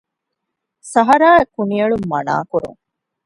ސަހަރާއަށް ކުނިއެޅުން މަނާ ކުރުން